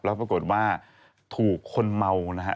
แล้วปรากฏว่าถูกคนเมานะฮะ